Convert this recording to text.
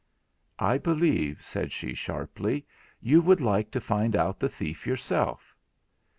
'I believe,' said she sharply, 'you would like to find out the thief yourself.'